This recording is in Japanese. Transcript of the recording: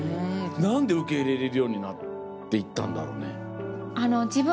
何で受け入れれるようになって行ったんだろうね？